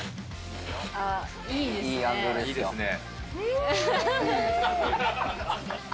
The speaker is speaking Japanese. いいですね。